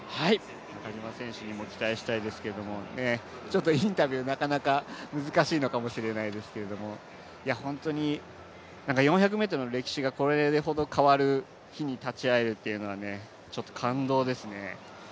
中島選手にも期待したいですけどインタビュー、なかなか難しいかもしれませんけど本当に４００ｍの歴史がこれほど変わる日に立ち会えるのは感動ですね。